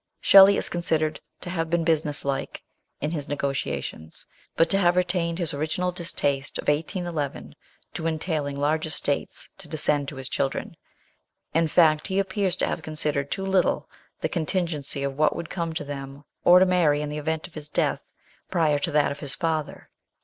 Shelley is considered to have been business like in his negotiations ; but to have retained his original distaste of 1811 to entailing large estates to descend to his children in fact, he appears to have considered too little the contingency of what would come to them or to Mary in the event of his death prior to that of his father.